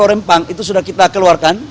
rempang itu sudah kita keluarkan